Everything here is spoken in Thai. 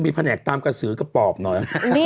นี่กราฟิกทำล้อแล้วนะบอกเลย